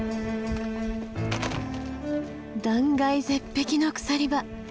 断崖絶壁の鎖場。